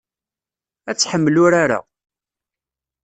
Ad tḥemmel urar-a.